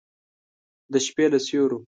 د شپې له سیورو